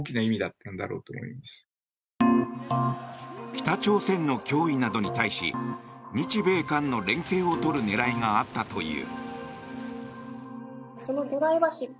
北朝鮮の脅威などに対し日米韓の連携を取る狙いがあったという。